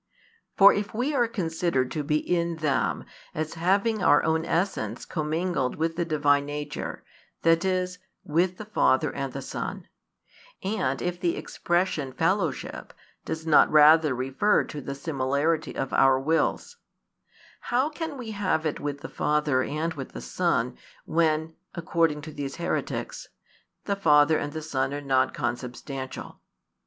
For if we are considered to be in Them, as having our own essence commingled with the Divine nature, that is, with the Father and the Son, and if the expression "fellowship" does not rather refer to the similarity of our wills; how can we have it with the Father and with the Son, when (according to these heretics) the Father and the Son are not Consubstantial?